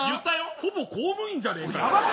ほぼ公務員じゃねえかよ。